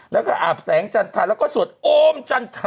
แล้วก็อาบแสงจันทราแล้วก็สวดโอมจันทรา